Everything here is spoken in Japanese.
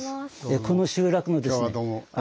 この集落のですねああ